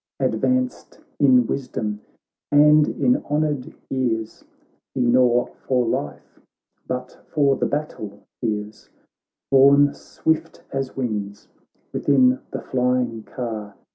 Advanced in wisdom and in honoured years ; He nor for life, but for the battle fears. Borne swift as winds within the flying car.